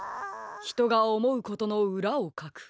ひとがおもうことのうらをかく。